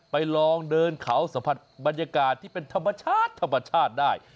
ลองเดินเขาสัมผัสบรรยากาศที่เป็นธรรมชาติธรรมชาติได้